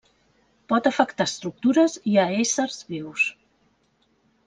Pot afectar a estructures i a éssers vius.